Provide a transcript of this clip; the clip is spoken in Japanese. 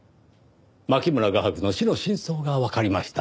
牧村画伯の死の真相がわかりました。